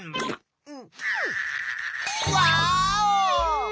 ワーオ！